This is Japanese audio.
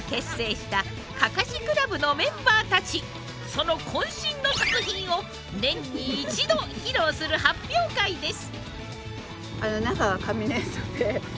その渾身の作品を年に一度披露する発表会です。